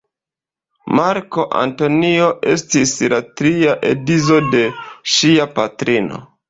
Marko Antonio estis la tria edzo de ŝia patrino.